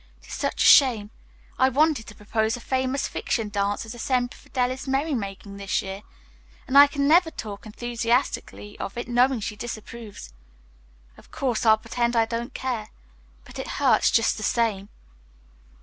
It is such a shame. I wanted to propose the 'Famous Fiction' dance as a Semper Fidelis merry making this year, and I can never talk enthusiastically of it knowing she disapproves. Of course, I'll pretend I don't care, but it hurts, just the same."